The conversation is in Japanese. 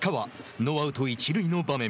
ノーアウト、一塁の場面。